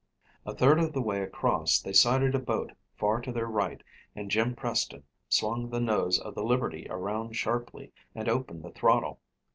A third of the way across they sighted a boat far to their right and Jim Preston swung the nose of the Liberty around sharply and opened the throttle.